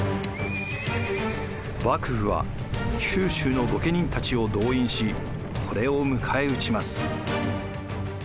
幕府は九州の御家人たちを動員しこれを迎え撃ちます。